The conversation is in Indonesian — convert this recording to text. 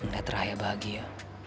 ngeliat raya bahagia